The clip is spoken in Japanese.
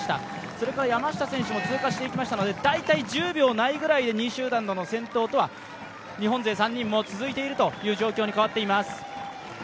それから山下選手も通過していきましたので大体１０秒ないぐらいで２位集団と先頭とは日本勢３人も続いているという状況に変わっています。